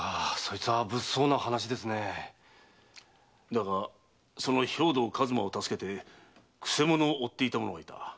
だがその兵藤数馬を助けて曲者を追っていた者がいた。